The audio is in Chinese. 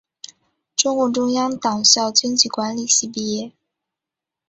中共中央党校经济管理系毕业。